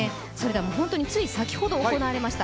つい先ほど行われました